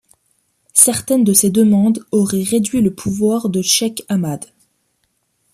Certaines de ces demandes auraient réduit le pouvoir de Cheikh Ahmad.